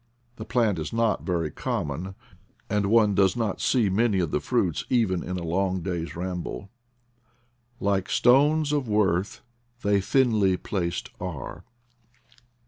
The plant is not very com mon, and one does not see too many pf the fruits even in a long day's ramble: Like stones of worth, they thinly placed are.